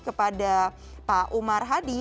kepada pak umar hadi